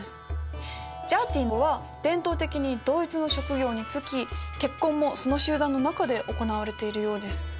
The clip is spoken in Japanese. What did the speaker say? ジャーティは伝統的に同一の職業に就き結婚もその集団の中で行われているようです。